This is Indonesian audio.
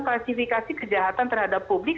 klasifikasi kejahatan terhadap publik